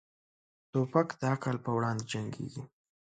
توپک د عقل پر وړاندې جنګيږي.